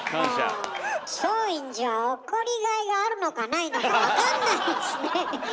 もう松陰寺は怒りがいがあるのかないのか分かんないですね。